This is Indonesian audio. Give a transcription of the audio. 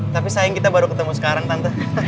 tapi sayang kita baru ketemu sekarang tante